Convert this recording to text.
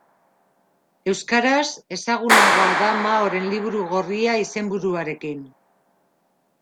Euskaraz, ezagunagoa da Maoren liburu gorria izenburuarekin.